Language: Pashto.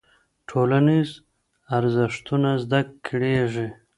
ټولنيز ارزښتونه زده کيږي.